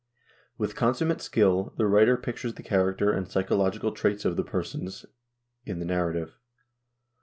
With consummate skill the writer pictures the character and psychological traits of the persons in the narrative.